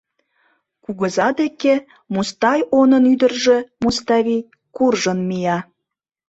Кугыза деке Мустай онын ӱдыржӧ, Муставий, куржын мия.